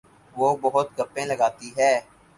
وہ بہت گپیں لگاتی ہے